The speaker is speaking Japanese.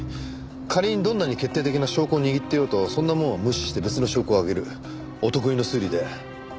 仮にどんなに決定的な証拠を握っていようとそんなものは無視して別の証拠を挙げるお得意の推理で。